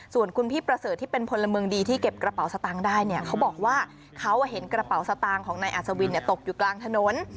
ส่วนคุณพี่ประเสริฐที่เป็นพลเมืองดีที่เก็บกระเป๋าสตางค์ได้เนี่ยเขาบอกว่าเขาเห็นกระเป๋าสตางค์ของนายอัศวินตกอยู่กลางถนน